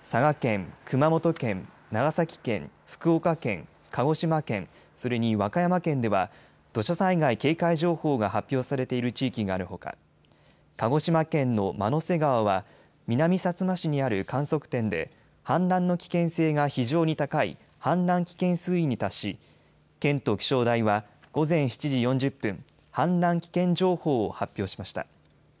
佐賀県、熊本県、長崎県、福岡県、鹿児島県、それに和歌山県では土砂災害警戒情報が発表されている地域があるほか鹿児島県の万之瀬川は南さつま市にある観測点で氾濫の危険性が非常に高い氾濫危険水位に達し、県と気象台は午前７時４０分、氾濫危険情報を発表しました。